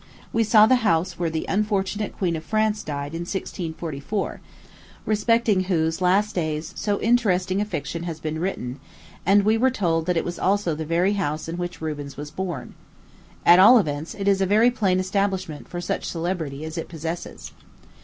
We saw the house where the unfortunate Queen of France died, in 1644, respecting whose last days so interesting a fiction has been written; and we were told that it was also the very house in which Rubens was born. At all events, it is a very plain establishment for such celebrity as it possesses.